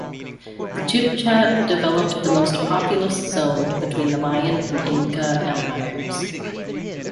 The Chibcha developed the most populous zone between the Mayan and Inca empires.